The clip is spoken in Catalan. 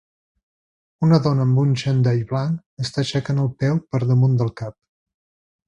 Una dona amb un xandall blanc està aixecant el peu per damunt del cap.